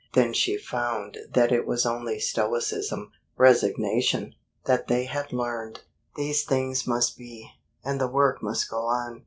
Then she found that it was only stoicism, resignation, that they had learned. These things must be, and the work must go on.